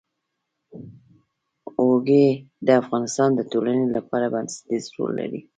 اوړي د افغانستان د ټولنې لپاره بنسټيز رول لري.